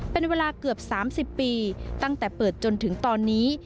เป็นเวลาเกือบ๓๐ปีตั้งแต่เปิดจนถึงตอนนี้